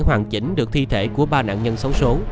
hoàn chỉnh được thi thể của ba nạn nhân xấu xố